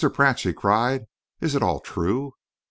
Pratt!" she cried. "Is it all true?"